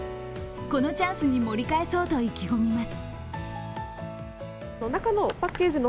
このチャンスに盛り返そうと意気込みます。